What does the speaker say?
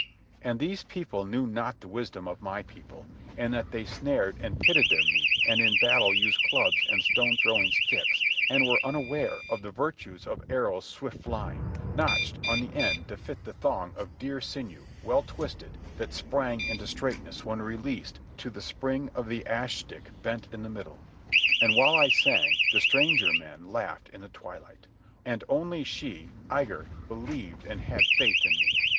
And these people knew not the wisdom of my people, in that they snared and pitted their meat and in battle used clubs and stone throwing sticks and were unaware of the virtues of arrows swift flying, notched on the end to fit the thong of deer sinew, well twisted, that sprang into straightness when released to the spring of the ask stick bent in the middle. And while I sang, the stranger men laughed in the twilight. And only she, Igar, believed and had faith in me.